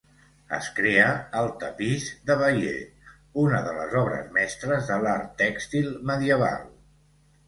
Es crea el Tapís de Bayeux, una de les obres mestres de l'art tèxtil medieval.